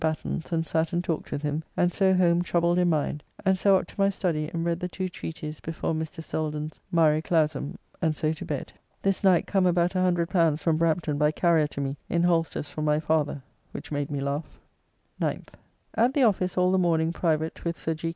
Batten's, and sat and talked with him, and so home troubled in mind, and so up to my study and read the two treaties before Mr. Selden's "Mare Clausum," and so to bed. This night come about L100 from Brampton by carrier to me, in holsters from my father, which made me laugh. 9th. At the office all the morning private with Sir G.